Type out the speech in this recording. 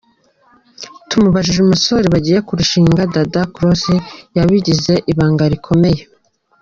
Tumubajije umusore bagiye kurushingana, Dada Cross yabigize ibanga rikomeye.